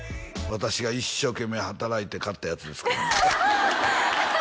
「私が一生懸命働いて買ったやつですから」